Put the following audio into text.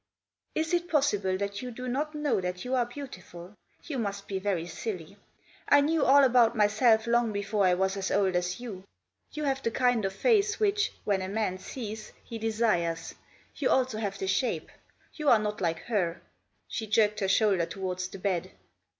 " Is it possible that you do not know that you are beautiful? You must be very silly. I knew all about myself long before I was as old as you. You have the kind of face which, when a man sees, he desires ; you also have the shape. You are not like her." She jerked her shoulder towards the bed.